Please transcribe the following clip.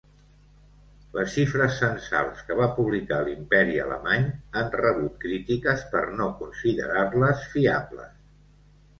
Les xifres censals que va publicar l'Imperi alemany han rebut crítiques per no considerar-les fiables.